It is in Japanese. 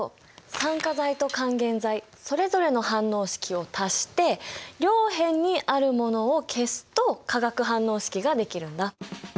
酸化剤と還元剤それぞれの反応式を足して両辺にあるものを消すと化学反応式ができるんだ。